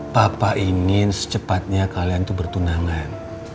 papa ingin secepatnya kalian itu bertunangan